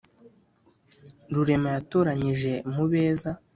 rurema yatoranyije mu beza